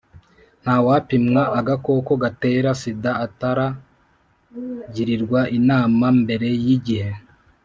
nta wapimwa agakoko gatera sida atara- girirwa inama mbere y’igihe,